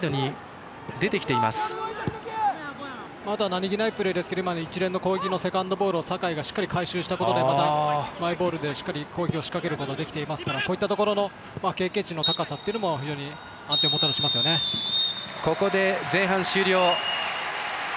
何気ないプレーですけど一連のプレーのセカンドボールを酒井がしっかり回収したことでまたマイボールで攻撃を仕掛けることができてますからこういったところの経験値の高さっていうのもここで前半終了。